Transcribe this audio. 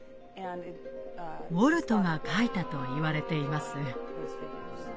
ウォルトが描いたといわれています。